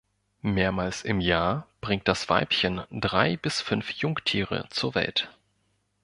Mehrmals im Jahr bringt das Weibchen drei bis fünf Jungtiere zur Welt.